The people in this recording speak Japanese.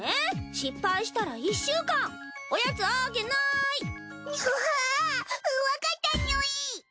失敗したら１週間おやつあげない！にゅはわかったにゅい。